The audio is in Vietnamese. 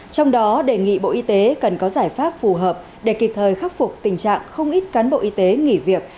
trong đó đề nghị bộ y tế cần có giải pháp phù hợp để kịp thời khắc phục tình trạng không ít cán bộ y tế nghỉ việc